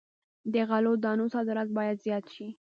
د غلو دانو صادرات باید زیات شي.